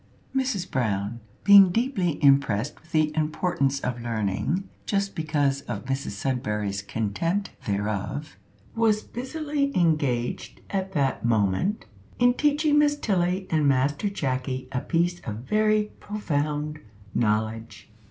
Mrs Brown, being deeply impressed with the importance of learning, (just because of Mrs Sudberry's contempt thereof), was busily engaged at that moment in teaching Miss Tilly and Master Jacky a piece of very profound knowledge.